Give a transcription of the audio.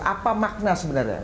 apa makna sebenarnya